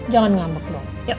jangan ngambek dong